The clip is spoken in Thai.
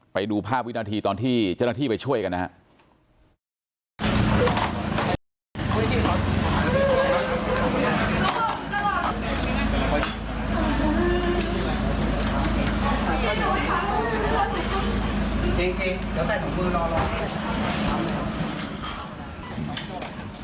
ไปดูภาพวินาทีตอนที่เจ้าหน้าที่ไปช่วยกันนะครับ